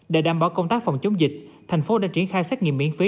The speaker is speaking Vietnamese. để đảm bảo công tác phòng chống dịch thành phố đã triển khai xét nghiệm miễn phí